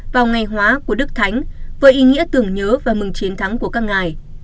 vào ngày hóa của đức thánh với ý nghĩa tưởng nhớ và mừng chiến thắng của các ngài